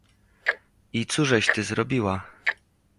"i cóżeś ty zrobiła?..."